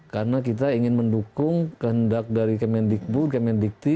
karena kita ingin mendukung kehendak dari kemendikbu kemendikti